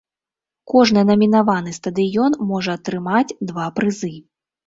Кожны намінаваны стадыён можа атрымаць два прызы.